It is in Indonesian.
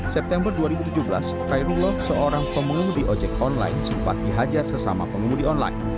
september dua ribu tujuh belas khairullah seorang pengemudi ojek online sempat dihajar sesama pengemudi online